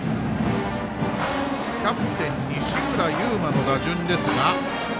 キャプテン西村侑真の打順ですが。